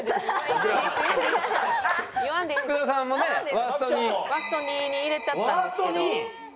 ワースト２位に入れちゃったんですけど。